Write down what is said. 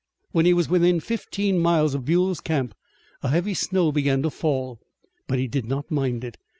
When he was within fifteen miles of Buell's camp a heavy snow began to fall. But he did not mind it.